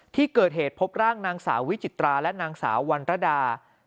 ที่เกิดเหตุพบร่างนางสาววิจิตราและนางสาววันระดา